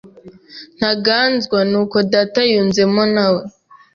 Ntangazwa n’uko data yunzemo nawe